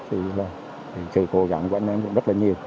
thì là sự cố gắng của anh em cũng rất là nhiều